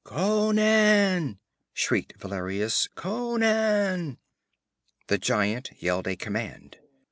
'Conan!' shrieked Valerius. 'Conan!' The giant yelled a command.